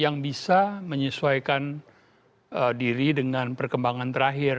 yang bisa menyesuaikan diri dengan perkembangan terakhir